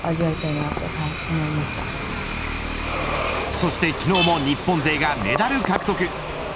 そして昨日も日本勢がメダル獲得。